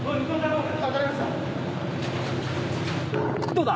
どうだ？